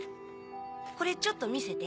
これちょっと見せて。